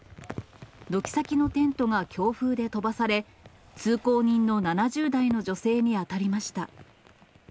軒先のテントが強風で飛ばされ、通行人の７０代の女性に当たりました。